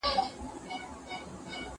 انسانان بېلابېل فکري ميلانونه لري.